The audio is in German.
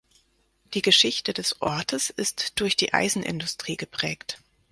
Die Geschichte des Ortes ist durch die Eisenindustrie geprägt.